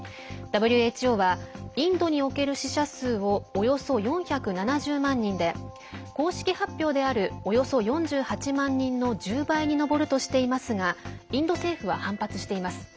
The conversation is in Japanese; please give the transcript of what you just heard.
ＷＨＯはインドにおける死者数をおよそ４７０万人で公式発表であるおよそ４８万人の１０倍に上るとしていますがインド政府は反発しています。